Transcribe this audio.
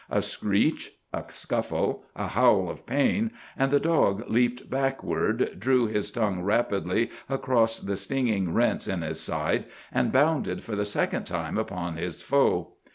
A screech, a scuffle, a howl of pain, and the dog leaped backward, drew his tongue rapidly across the stinging rents in his side, and bounded for the second time upon his foe.